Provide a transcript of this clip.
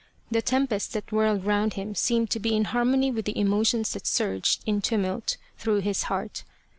The tempest that whirled round him seemed to be in harmony with the emotions that surged in tumult through his heart.